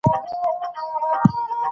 د ادب او احترام لاره.